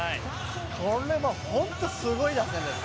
これは本当にすごい打線です。